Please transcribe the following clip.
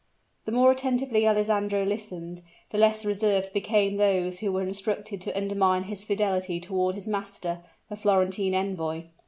The more attentively Alessandro listened, the less reserved became those who were instructed to undermine his fidelity toward his master, the Florentine Envoy.